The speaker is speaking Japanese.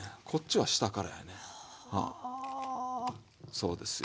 そうですよ。